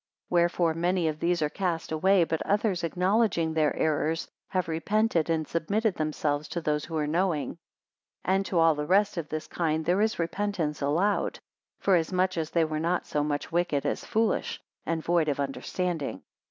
202 Wherefore many of these are cast away; but others acknowledging their error, have repented, and submitted themselves to those who are knowing. 203 And to all the rest of this kind, there is repentance allowed; forasmuch as they were not so much wicked as foolish, and void of understanding.